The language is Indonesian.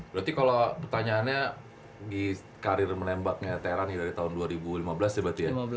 berarti kalau pertanyaannya di karir menembaknya terani dari tahun dua ribu lima belas ya berarti ya